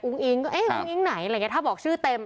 อิงก็เอ๊ะอุ้งอิ๊งไหนอะไรอย่างนี้ถ้าบอกชื่อเต็ม